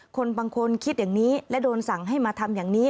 คนบางคนคิดอย่างนี้และโดนสั่งให้มาทำอย่างนี้